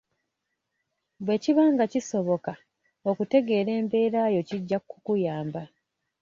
Bwe kiba nga kisoboka, okutegeeera embeera yo kijja kukuyamba.